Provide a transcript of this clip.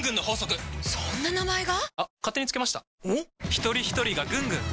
ひとりひとりがぐんぐん！